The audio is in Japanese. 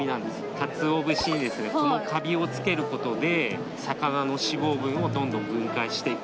鰹節にこのカビを付けることで魚の脂肪分をどんどん分解していく。